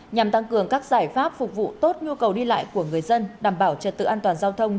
nhằm tăng cường các giải pháp phục vụ tốt nhu cầu đi lại của người dân đảm bảo trật tự an toàn giao thông